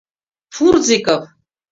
— Фурзиков!